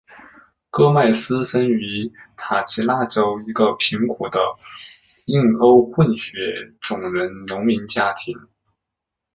戈麦斯生于塔奇拉州一个贫苦的印欧混血种人农民家庭。